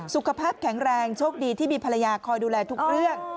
สุขภาพแข็งแรงโชคดีที่มีภรรยาคอยดูแลทุกเรื่อง